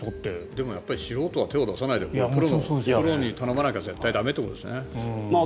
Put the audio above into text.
でもやっぱり素人は手を出さないでプロに頼まないと駄目ってことですね。